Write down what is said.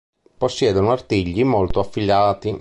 Possiedono artigli molto affilati.